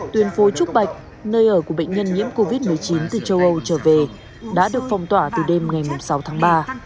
tuyên phố trúc bạch nơi ở của bệnh nhân nhiễm covid một mươi chín từ châu âu trở về đã được phong tỏa từ đêm ngày sáu tháng ba